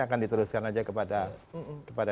akan diteruskan aja kepada